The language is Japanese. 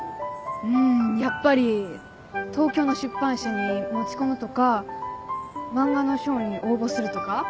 うんやっぱり東京の出版社に持ち込むとか漫画の賞に応募するとか？